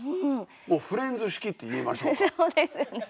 もうフレンズ式って言いましょうか。